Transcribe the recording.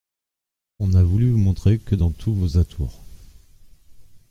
On n’a voulu vous montrer que dans tous vos atours.